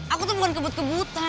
aku tuh bukan kebut kebutan